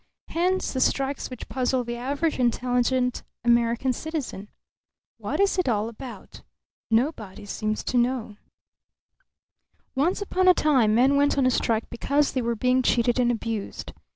Hence, the strikes which puzzle the average intelligent American citizen. What is it all about? Nobody seems to know. Once upon a time men went on a strike because they were being cheated and abused.